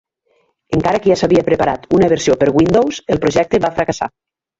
Encara que ja s'havia preparat una versió per Windows, el projecte va fracassar.